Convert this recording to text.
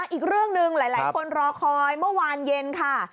อีกเรื่องหนึ่งหลายคนรอคอยเมื่อวานเย็นค่ะ